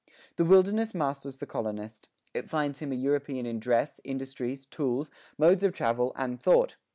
The wilderness masters the colonist. It finds him a European in dress, industries, tools, modes of travel, and thought.